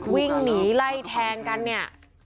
วิ่งหนีไล่แทงกันเนี่ย